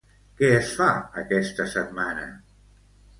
Què es fa aquesta setmana?